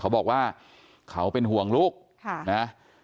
เขาบอกว่าเขาเป็นห่วงลูกนะ